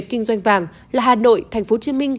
kinh doanh vàng là hà nội tp hcm